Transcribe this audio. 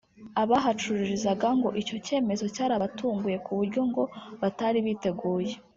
Abahacururizaga ngo icyo cyemezo cyarabatunguye ku buryo ngo batari biteguye